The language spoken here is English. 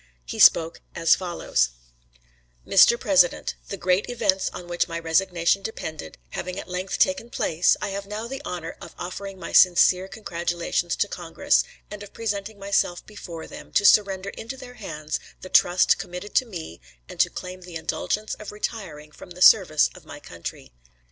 He spoke as follows: "Mr. President: The great events on which my resignation depended having at length taken place, I have now the honor of offering my sincere congratulations to Congress, and of presenting myself before them, to surrender into their hands the trust committed to me and to claim the indulgence of retiring from the service of my country.